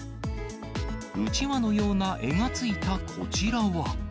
うちわのような柄がついたこちらは。